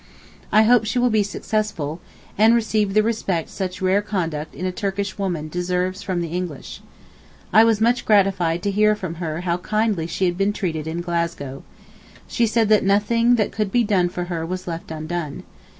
I hope she will be successful, and receive the respect such rare conduct in a Turkish woman deserves from the English. I was much gratified to hear from her how kindly she had been treated in Glasgow. She said that nothing that could be done for her was left undone.